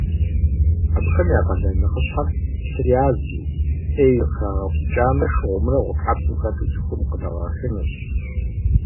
Абыхэм я къалэн нэхъыщхьэр - лъыр язу, ӏей къыхагъэкъэбзыкӏамрэ шыгъумрэ гъутхьэпсым хэлъу цӏыхум къыдэгъэхынырщ.